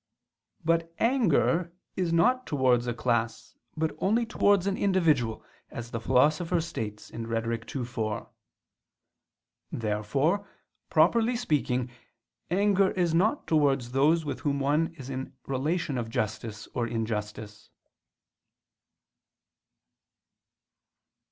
But anger is not towards a class but only towards an individual, as the Philosopher states (Rhet. ii, 4). Therefore properly speaking, anger is not towards those with whom one is in relation of justice or injustice.